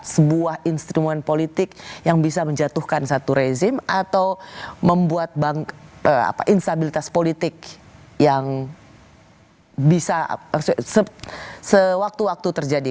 sebuah instrumen politik yang bisa menjatuhkan satu rezim atau membuat instabilitas politik yang bisa sewaktu waktu terjadi